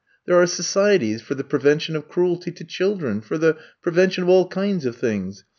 There are societies for the prevention of cruelty to children — for the prevention of all kinds of things.